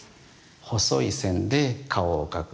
細い線で顔を描く。